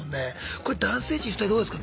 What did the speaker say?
これ男性陣２人どうですか？